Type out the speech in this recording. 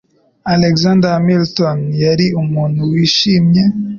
Alexander Hamilton yari umuntu wishimye.